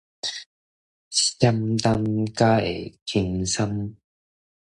閃冬才會輕鬆